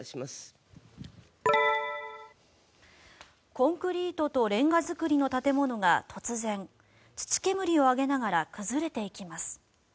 コンクリートとレンガ造りの建物が突然、土煙を上げながら崩れていきます。